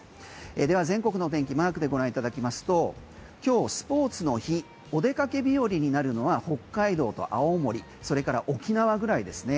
では、全国の天気マークでご覧いただきますと今日スポーツの日お出かけ日和になるのは北海道と青森それから沖縄ぐらいですね。